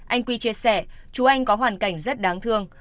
anh quy chia sẻ chú anh có hoàn cảnh rất đáng thương